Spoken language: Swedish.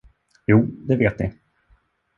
Jo, det vet ni.